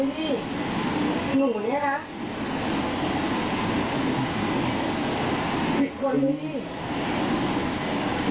อื้มอะไร